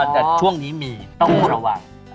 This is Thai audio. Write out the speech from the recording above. แต่ช่วงนี้มีตัวความตระวัง